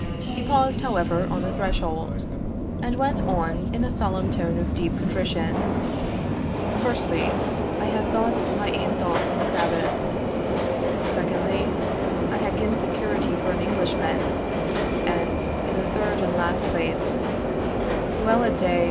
He paused, however, on the threshold, and went on in a solemn tone of deep contrition, "Firstly, I hae thought my ain thoughts on the Sabbath secondly, I hae gi'en security for an Englishman and, in the third and last place, well a day!